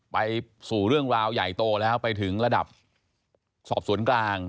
ไปสู่เรื่องราวใหญ่โตแล้วไปถึงระดับสอบสวนกลาง